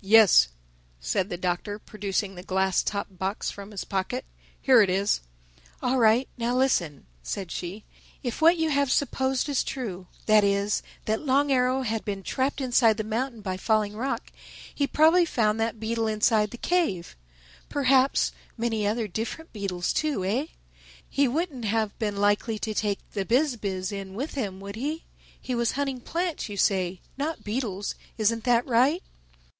"Yes," said the Doctor, producing the glass topped box from his pocket, "here it is." "All right. Now listen," said she. "If what you have supposed is true—that is, that Long Arrow had been trapped inside the mountain by falling rock, he probably found that beetle inside the cave—perhaps many other different beetles too, eh? He wouldn't have been likely to take the Biz biz in with him, would he?—He was hunting plants, you say, not beetles. Isn't that right?"